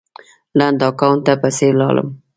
لنډ اکاونټ ته پسې لاړم